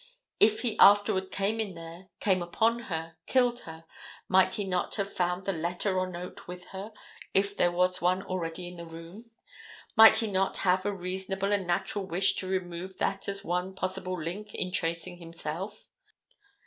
If he afterward came in there, came upon her, killed her, might he not have found the letter or note with her, if there was one already in the room. Might he not have a reasonable and natural wish to remove that as one possible link in tracing himself?